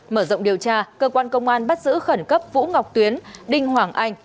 mở rộng điều tra cơ quan công an bắt giữ khẩn cấp vũ ngọc tuyến đinh hoàng anh